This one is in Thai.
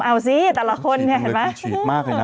เอาซิ